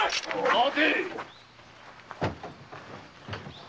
・待て！